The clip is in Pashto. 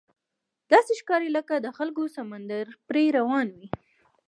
داسې ښکاري لکه د خلکو سمندر پرې روان وي.